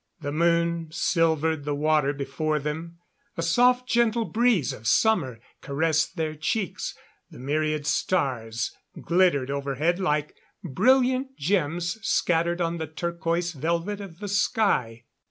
The moon silvered the water before them; a soft, gentle breeze of summer caressed their cheeks; the myriad stars glittered overhead like brilliant gems scattered on the turquoise velvet of the sky.